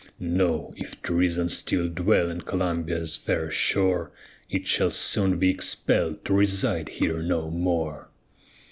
Chorus No if treason still dwell on Columbia's fair shore, It shall soon be expell'd to reside here no more.